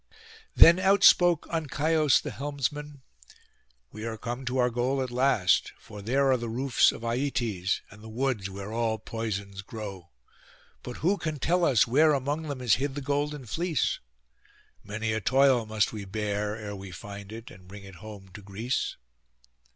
Then out spoke Ancaios the helmsman, 'We are come to our goal at last, for there are the roofs of Aietes, and the woods where all poisons grow; but who can tell us where among them is hid the golden fleece? Many a toil must we bear ere we find it, and bring it home to Greece.